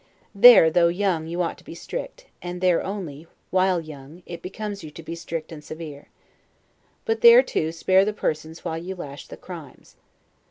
There, though young, you ought to be strict; and there only, while young, it becomes you to be strict and severe. But there, too, spare the persons while you lash the crimes.